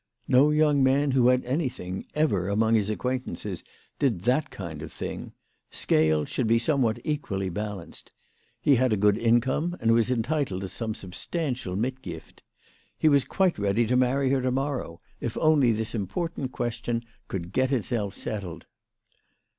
No young man who had anything, ever among his acquaintances, did that kind of thing. Scales should be somewhat equally balanced. He had a good income, and was entitled to some substantial mitgift. He was quite ready to marry her to morrow, if only this important question could get itself settled.